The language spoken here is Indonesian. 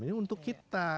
ini untuk kita